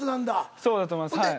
そうだと思います。